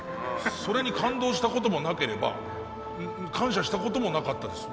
それに感動したこともなければ感謝したこともなかったです。